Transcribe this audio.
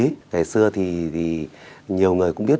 ngày xưa thì nhiều người cũng biết